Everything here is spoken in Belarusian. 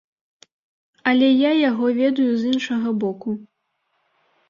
Але я яго ведаю з іншага боку.